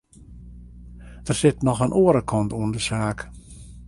Der sit noch in oare kant oan de saak.